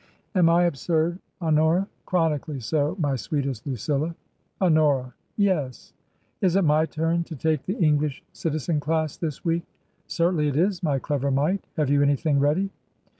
Am I absurd, Honora ?" Chronically so, my sweetest Lucilla." "Honora!" " Yes ?"Is it my turn to take the English citizen class this week ?"" Certainly it is, my clever mite. Have you an}rthing ready